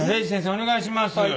お願いします。